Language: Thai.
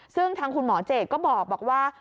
ซึ่งทางคุณหมอเจดก็บอกว่า